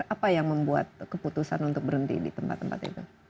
apa yang membuat keputusan untuk berhenti di tempat tempat itu